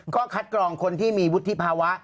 ก็คัดกรองคนที่มีวุฒิภาวะ